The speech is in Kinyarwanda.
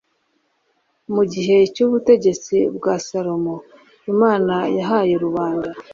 Mu gihe cy ubutegetsi bwa Salomo Imana yahaye rubanda